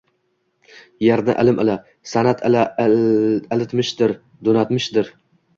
Yerni ilm ila, sanʻat ila ilitmishdir, doʻnatmishdir